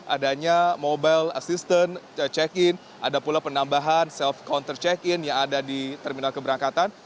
adanya mobile assistant check in ada pula penambahan self counter check in yang ada di terminal keberangkatan